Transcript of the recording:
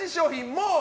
もう。